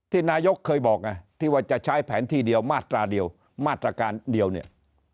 นายกเคยบอกไงที่ว่าจะใช้แผนที่เดียวมาตราเดียวมาตรการเดียวเนี่ย